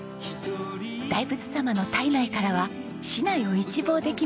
大仏様の胎内からは市内を一望できますよ。